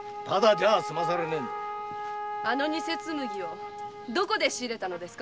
あのニセ紬をどこで仕入れたのですか！